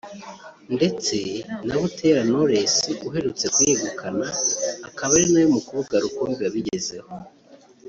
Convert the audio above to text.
ndetse na Butera Knowless uherutse kuyegukana akaba ari nawe mukobwa rukumbi wabigezeho